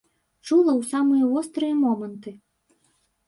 Чула ў самыя вострыя моманты.